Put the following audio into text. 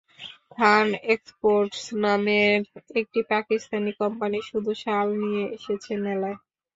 খান exports নামের একটি Pakistani company শুধু শাল নিয়ে এসেছে মেলায়।